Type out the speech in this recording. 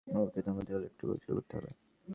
ওকে থামাতে হলে একটু কৌশল করতে হবে।